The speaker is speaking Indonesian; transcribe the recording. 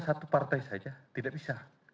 satu partai saja tidak bisa